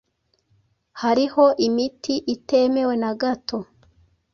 hariho imiti itemewe na gato